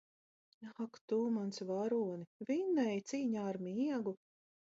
Ak tu, mans varoni! Vinnēji cīņā ar miegu!